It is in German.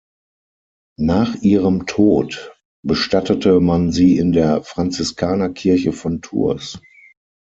Nach ihrem Tod bestattete man sie in der Franziskanerkirche von Tours.